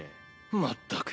まったく。